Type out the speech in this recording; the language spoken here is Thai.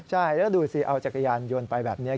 ใช่แล้วดูสิเอาจักรยานยนต์ไปแบบนี้